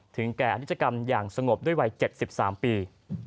แก่อนิจกรรมอย่างสงบด้วยวัย๗๓ปี